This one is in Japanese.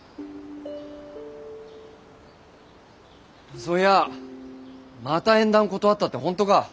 そういやまた縁談断ったって本当か？